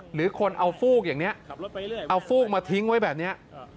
หรือคนเอาฟูกอย่างนี้เอาฟูกมาทิ้งไว้แบบนี้